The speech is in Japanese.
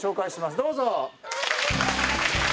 どうぞ！